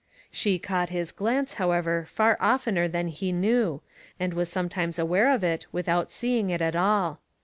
She caught his glance however far oftener than he knew, and was sometimes aware of it without seeing it at all.